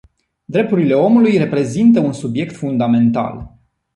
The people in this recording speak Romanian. Drepturile omului reprezintă un subiect fundamental.